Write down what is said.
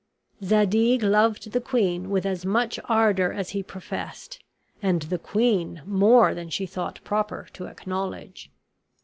Zadig loved the queen with as much ardor as he professed; and the queen more than she thought proper to acknowledge.